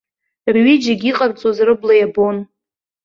Рҩыџьагьы иҟарҵоз рыбла иабон.